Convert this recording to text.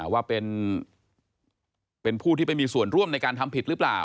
ว่าเป็นผู้ที่ไม่มีส่วนร่วมในการทำผิดหรือเปล่า